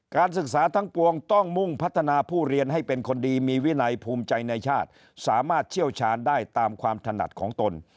การศึกษาทั้งปวงต้องมุ่งพัฒนาผู้เรียนให้เป็นคนดีมีวินัยภูมิใจในชาติสามารถเชี่ยวชาญได้ตามความถนัดของตน